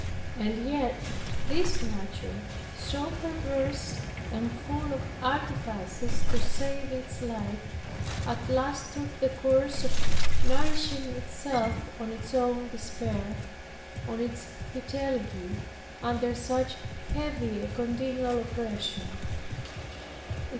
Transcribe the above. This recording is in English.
And yet this nature so perverse, and full of artifices to save its life, at last took the course of nourishing itself on its own despair, on its fidelity under such heavy and continual oppression.